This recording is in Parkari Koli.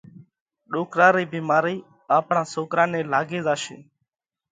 ڏوڪرا رئِي ڀيمارئِي آپڻا سوڪرا نئہ لاڳي زاشي۔